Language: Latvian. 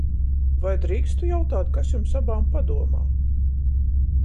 Vai drīkstu jautāt, kas jums abām padomā?